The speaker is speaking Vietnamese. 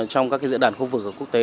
trong các dự đoạn khu vực của quốc tế